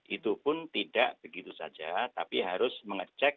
itu pun tidak begitu saja tapi harus mengecek